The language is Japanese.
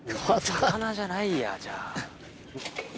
魚じゃないやじゃあ。